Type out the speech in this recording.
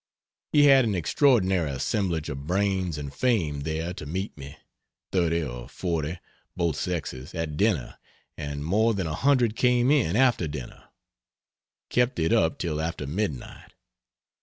He had an extraordinary assemblage of brains and fame there to meet me thirty or forty (both sexes) at dinner, and more than a hundred came in, after dinner. Kept it up till after midnight.